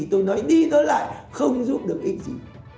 tôi nói đi tới lại không giúp được ích gì